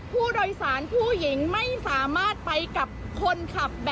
ผู้โดยสารผู้หญิงไม่สามารถไปกับคนขับ